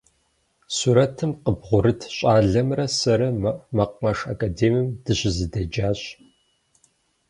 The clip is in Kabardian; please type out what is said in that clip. Сурэтым къыббгъурыт щӏалэмрэ сэрэ мэкъумэш академием дыщызэдеджащ.